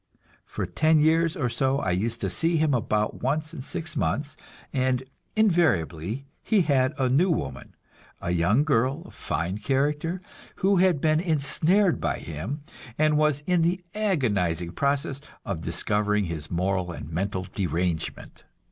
For ten years or so I used to see him about once in six months, and invariably he had a new woman, a young girl of fine character, who had been ensnared by him, and was in the agonizing process of discovering his moral and mental derangement.